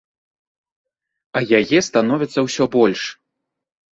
А яе становіцца ўсё больш.